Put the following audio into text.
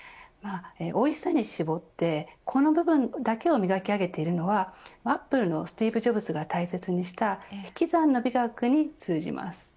おいしさに絞ってこの部分だけを磨き上げているのはアップルのスティーブ・ジョブズが大切にした引き算の美学に通じます。